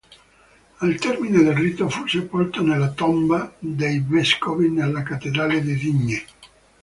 Al termine del rito fu sepolto nella tomba dei vescovi nella cattedrale di Digne.